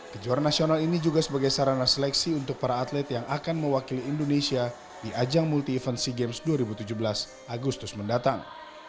kejuaraan nasional ini juga sebagai sarana seleksi untuk para atlet yang akan mewakili indonesia di ajang multi event sea games dua ribu tujuh belas agustus mendatang